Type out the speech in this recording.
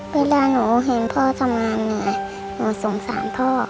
เวลาหนูเห็นพ่อทำงานเหนื่อยหนูสงสารพ่อ